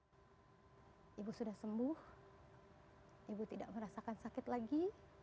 tapi allah lebih sayang ibu ibu sudah sembuh ibu tidak merasakan sakit lagi